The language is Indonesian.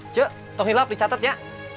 cek toh hilang beli catat ya